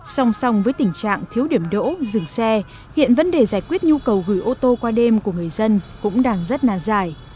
song song với tình trạng thiếu điểm đỗ dừng xe hiện vấn đề giải quyết nhu cầu gửi ô tô qua đêm của người dân cũng đang rất nan giải